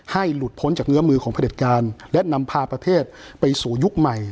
หลุดพ้นจากเงื้อมือของพระเด็จการและนำพาประเทศไปสู่ยุคใหม่